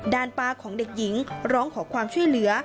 ป้าของเด็กหญิงร้องขอความช่วยเหลือ